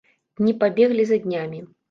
Дні пабеглі за днямі.